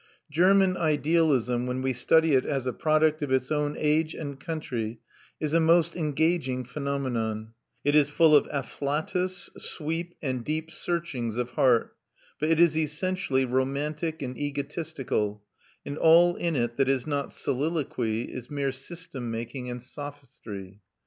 German idealism, when we study it as a product of its own age and country, is a most engaging phenomenon; it is full of afflatus, sweep, and deep searchings of heart; but it is essentially romantic and egotistical, and all in it that is not soliloquy is mere system making and sophistry.